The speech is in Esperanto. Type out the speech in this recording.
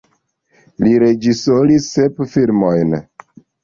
Li reĝisoris sep filmojn.